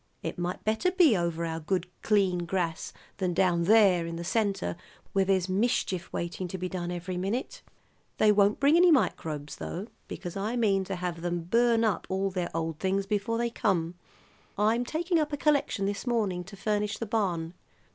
It might better be over our good clean grass than down there in the centre where there's mischief waiting to be done every minute. They won't bring any microbes, though, because I mean to have them burn up all their old things before they come, I'm taking up a collection this morning to furnish the barn.